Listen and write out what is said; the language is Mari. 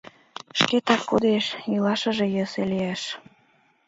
Шкетак кодеш, илашыже йӧсӧ лиеш.